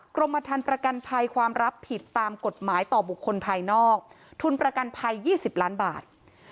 กรมธรรมประกันภัยความรับผิดตามกฎหมายต่อบุคคลภายนอกทุนประกันภัย๒๐ล้านบาท